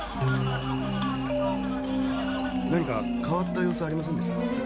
何か変わった様子はありませんでしたか？